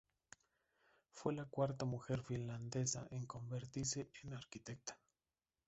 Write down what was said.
Fue la cuarta mujer finlandesa en convertirse en arquitecta.